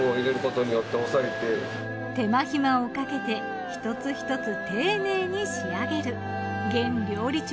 手間暇をかけて一つ一つ丁寧に仕上げる阮料理長